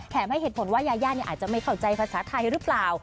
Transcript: ให้เหตุผลว่ายาย่าอาจจะไม่เข้าใจภาษาไทยหรือเปล่า